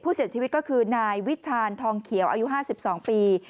ผู้เสียชีวิตก็คือนายวิชาณทองเขียวอายุ๕๒ปี